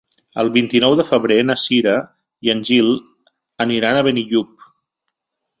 El vint-i-nou de febrer na Cira i en Gil aniran a Benillup.